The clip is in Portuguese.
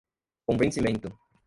convencimento